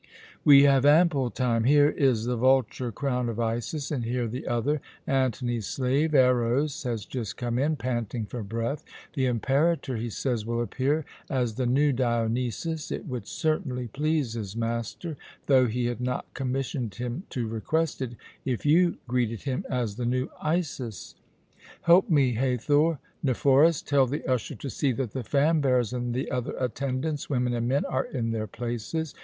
We have ample time. Here is the vulture crown of Isis, and here the other. Antony's slave, Eros, has just come in, panting for breath. The Imperator, he says, will appear as the new Dionysus. It would certainly please his master though he had not commissioned him to request it if you greeted him as the new Isis. Help me, Hathor. Nephoris, tell the usher to see that the fan bearers and the other attendants, women and men, are in their places.